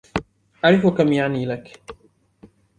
أعرفُ كَم يعني لكِ.